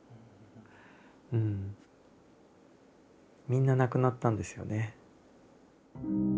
みんな亡くなったんですよね。